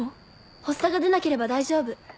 発作が出なければ大丈夫。